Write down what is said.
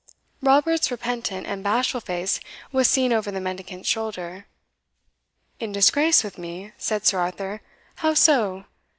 Robert's repentant and bashful face was seen over the mendicant's shoulder. "In disgrace with me?" said Sir Arthur "how so?"